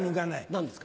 何ですか？